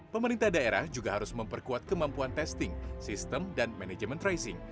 pemerintah daerah juga harus memperkuat kemampuan testing sistem dan manajemen tracing